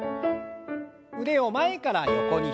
腕を前から横に開いて。